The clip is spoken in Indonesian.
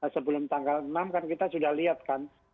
sebelum tanggal enam kan kita sudah lihat kan